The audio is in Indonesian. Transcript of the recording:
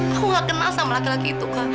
aku nggak kenal sama laki laki itu kak